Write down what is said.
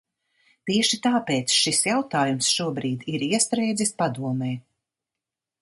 Tieši tāpēc šis jautājums šobrīd ir iestrēdzis Padomē.